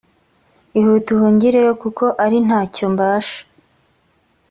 ihute uhungireyo kuko ari nta cyo mbasha